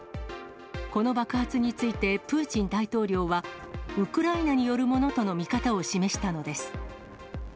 この爆発についてプーチン大統領は、ウクライナによるものとの見方を示したのです。